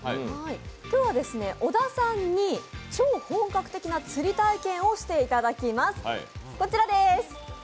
では小田さんに超本格的な釣り体験をしていただきます。